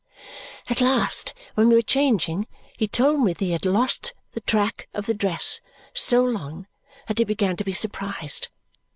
At last, when we were changing, he told me that he had lost the track of the dress so long that he began to be surprised.